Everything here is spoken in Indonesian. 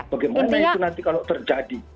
bagaimana itu nanti kalau terjadi